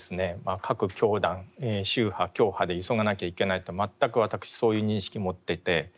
各教団宗派教派で急がなきゃいけないと全く私そういう認識持っていて。